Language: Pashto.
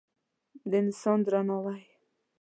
د انسان درناوی